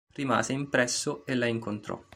Rimase impresso e la incontrò.